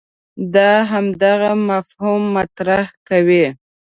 دا همدغه مفهوم مطرح کوي.